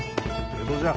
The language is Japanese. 江戸じゃ。